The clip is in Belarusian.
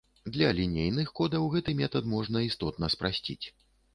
Для лінейных кодаў гэты метад можна істотна спрасціць.